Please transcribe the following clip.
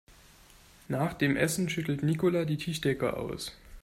Nach dem Essen schüttelt Nicola die Tischdecke aus.